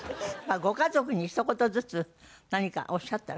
ご家族にひと言ずつ何かおっしゃったら？